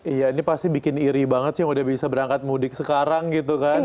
iya ini pasti bikin iri banget sih yang udah bisa berangkat mudik sekarang gitu kan